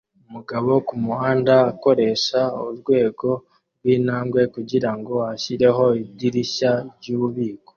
Umugabo kumuhanda akoresha urwego rwintambwe kugirango ashyireho idirishya ryububiko